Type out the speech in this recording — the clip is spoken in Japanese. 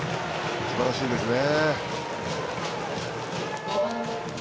すばらしいですね。